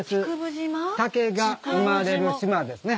「竹が生まれる島」ですね。